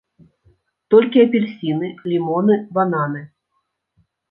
Толькі апельсіны, лімоны, бананы.